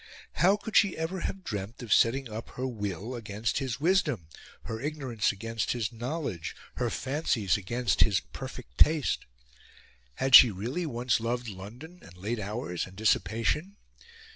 How could she ever have dreamt of setting up her will against his wisdom, her ignorance against his knowledge, her fancies against his perfect taste? Had she really once loved London and late hours and dissipation?